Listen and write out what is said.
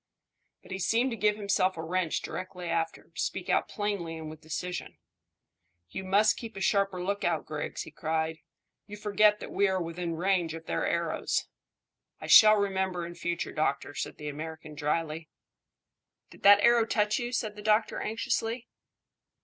But he seemed to give himself a wrench directly after, to speak out plainly and with decision. "You must keep a sharper lookout, Griggs," he cried. "You forget that we are within range of their arrows." "I shall remember in future, doctor," said the American dryly. "Did that arrow touch you?" said the doctor anxiously.